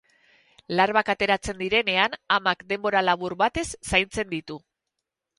Larbak ateratzen direnean amak denbora labur batez zaintzen ditu.